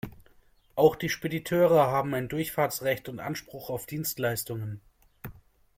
Auch die Spediteure haben ein Durchfahrtsrecht und Anspruch auf Dienstleistungen.